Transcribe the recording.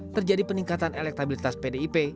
terjadi peningkatan elektabilitas pdip